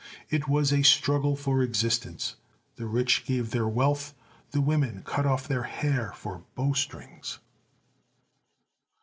It was a struggle for existence; the rich gave their wealth; the women cut off their hair for bow strings.